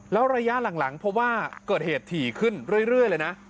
แล้วระยะหลังพบว่าเกิดเหตุถี่ขึ้นเรื่อยเลยนะ